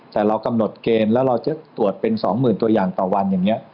แต่เรากำหนดเกณฑ์แล้วเราจะตรวจเป็น๒๐๐๐ตัวอย่างต่อวันอย่างนี้